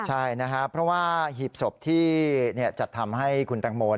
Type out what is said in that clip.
ใช่นะครับเพราะว่าหีบศพที่จัดทำให้คุณแตงโม